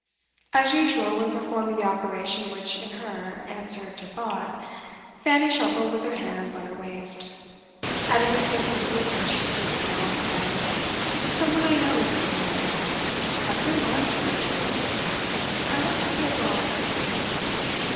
As usual when performing the operation which, in her, answered to thought, Fanny shuffled with her hands on her waist. At a distance from Beatrice she stood still, and said: 'Some one I know is going there. I've a good mind to go too. I want to see abroad.